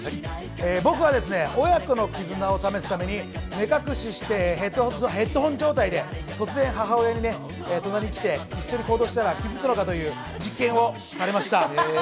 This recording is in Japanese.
僕は親子の絆を試すために目隠ししてヘッドホン状態でとつぜん母親に隣に来て、一緒に行動したら気づくのか？という実験をされました。